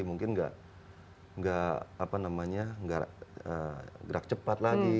mungkin nggak gerak cepat lagi